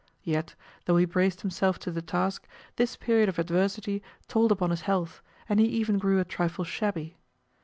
Yet, though he braced himself to the task, this period of adversity told upon his health, and he even grew a trifle shabby.